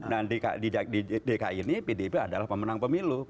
nah di dki ini pdip adalah pemenang pemilu